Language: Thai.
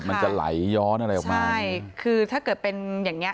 มันจะไหลย้อนอะไรออกมาใช่คือถ้าเกิดเป็นอย่างเงี้